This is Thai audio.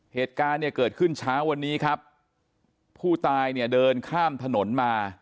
เหตุการณ์เนี่ยเกิดขึ้นเช้าวันนี้ครับผู้ตายเนี่ยเดินข้ามถนนมา